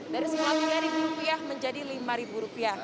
dari rp lima puluh tiga menjadi rp lima